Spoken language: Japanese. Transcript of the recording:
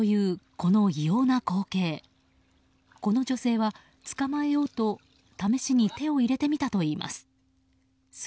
この女性は、捕まえようと試しに手を入れてみたといいます。